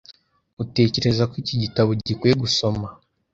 Utekereza ko iki gitabo gikwiye gusoma?